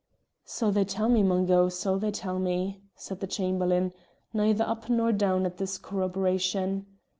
"So they tell me, Mungo; so they tell me," said the Chamberlain, neither up nor down at this corroboration.